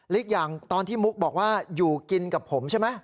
อีกอย่างตอนที่มุกบอกว่าอยู่กินกับผมใช่ไหม